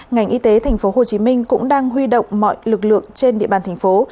ngành y tế tp hcm cũng đang huy động mọi lực lượng trên địa bàn thành phố